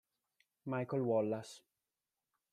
Michael Wallace